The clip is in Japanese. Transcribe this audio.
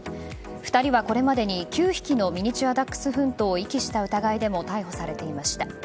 ２人はこれまでに９匹のミニチュアダックスフントを遺棄した疑いでも逮捕されていました。